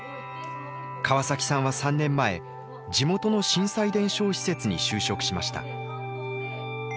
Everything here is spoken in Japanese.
川崎さんは３年前地元の震災伝承施設に就職しました。